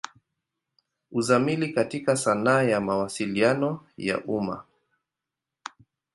Uzamili katika sanaa ya Mawasiliano ya umma.